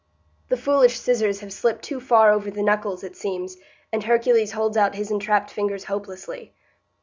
The foolish scissors have slipped too far over the knuckles, it seems, and Hercules holds out his entrapped fingers hopelessly.